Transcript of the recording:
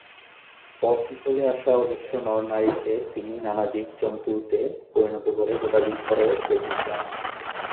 পথ ভুলে আসা অজস্র নর নারী কে তিনি নানা জীব জন্তু তে পরিণত করে গোটা দ্বীপ ভরা রেখেছিলেন।